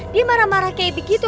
dia marah marah kayak begitu